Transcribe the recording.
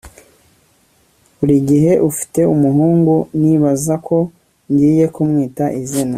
burigihe ufite umuhungu nibaza ko ngiye kumwita izina